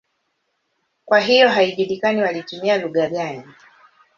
Kwa hiyo haijulikani walitumia lugha gani.